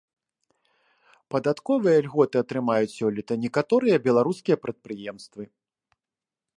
Падатковыя льготы атрымаюць сёлета некаторыя беларускія прадпрыемствы.